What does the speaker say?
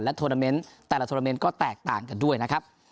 โทรนาเมนต์แต่ละโทรเมนต์ก็แตกต่างกันด้วยนะครับ